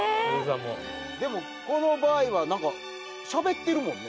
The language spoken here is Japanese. でもこの場合はしゃべってるもんね。